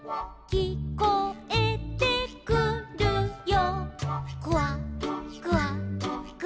「きこえてくるよ」